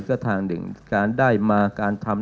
ก็ทางหนึ่งการได้มาการทำ